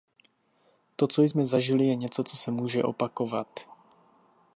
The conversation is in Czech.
To, co jsme zažili, je něco, co se může opakovat.